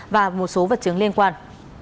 và một số vật chứng liên quan